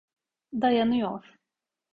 Dayanıyor.